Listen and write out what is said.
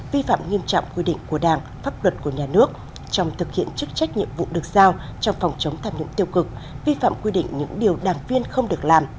vi phạm nghiêm trọng quy định của đảng pháp luật của nhà nước trong thực hiện chức trách nhiệm vụ được giao trong phòng chống tham nhũng tiêu cực vi phạm quy định những điều đảng viên không được làm